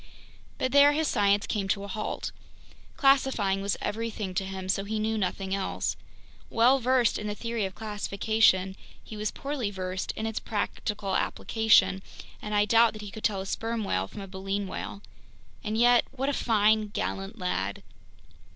But there his science came to a halt. Classifying was everything to him, so he knew nothing else. Well versed in the theory of classification, he was poorly versed in its practical application, and I doubt that he could tell a sperm whale from a baleen whale! And yet, what a fine, gallant lad!